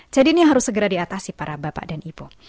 jadi ini harus segera diatasi para bapak dan ibu